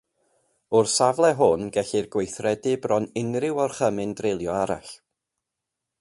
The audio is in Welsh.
O'r safle hwn, gellir gweithredu bron unrhyw orchymyn drilio arall.